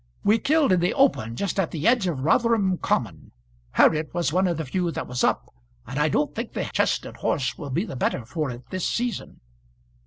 We killed in the open, just at the edge of Rotherham Common. Harriet was one of the few that was up, and I don't think the chestnut horse will be the better of it this season."